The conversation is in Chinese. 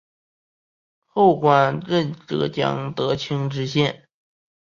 后官任浙江德清知县。